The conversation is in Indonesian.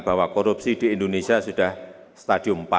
bahwa korupsi di indonesia sudah stadium empat